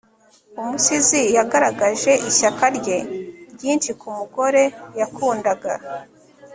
umusizi yagaragaje ishyaka rye ryinshi ku mugore yakundaga